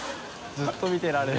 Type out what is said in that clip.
ずっと見てられる。